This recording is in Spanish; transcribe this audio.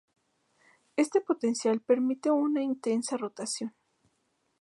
Este potencial permite una intensa rotación.